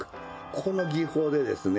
この技法でですね